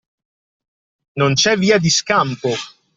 Non c'è via di scampo.